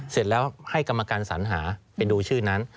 เสร็จแล้วให้กรรมการสัญหาไปดูชื่อนั้น